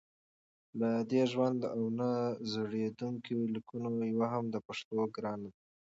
له دې ژوندیو او نه زړېدونکو لیکونو یوه هم د پښتو ګرانه ده